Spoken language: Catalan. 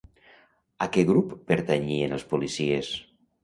A què grup pertanyien els policies?